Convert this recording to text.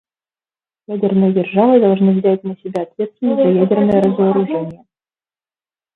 Ядерные державы должны взять на себя ответственность за ядерное разоружение.